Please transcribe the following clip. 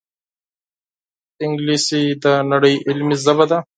انګلیسي د نړۍ علمي ژبه ده